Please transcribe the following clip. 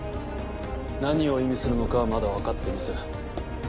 何を意味するのかはまだ分かっていません。